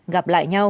gặp lại nhau